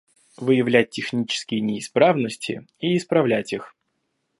Выявлять технические неисправности и исправлять их